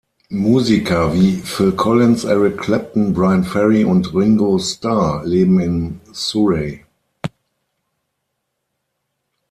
Musiker wie Phil Collins, Eric Clapton, Bryan Ferry und Ringo Starr leben in Surrey.